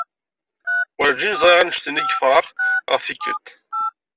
Werǧin ẓriɣ annect-nni n yefrax ɣef tikelt.